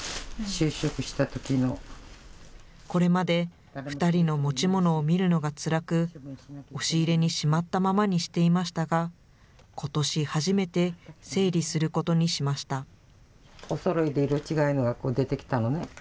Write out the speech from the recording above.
これまで２人の持ち物を見るのがつらく、押し入れにしまったままにしていましたが、ことし初めて整理することにしました。